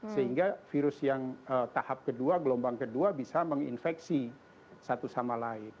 sehingga virus yang tahap kedua gelombang kedua bisa menginfeksi satu sama lain